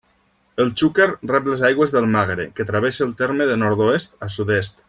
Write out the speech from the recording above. El Xúquer rep les aigües del Magre, que travessa el terme de nord-oest a sud-est.